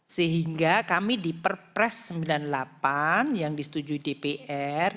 sehingga kami di perpres sembilan puluh delapan yang disetujui dpr